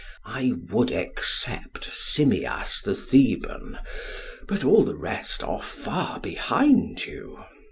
I would except Simmias the Theban, but all the rest are far behind you.